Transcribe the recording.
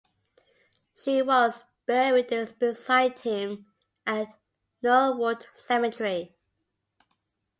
She was buried beside him at Norwood cemetery.